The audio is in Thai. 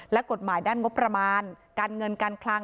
และกฎหมายด้านงบประมาณการเงินการคลัง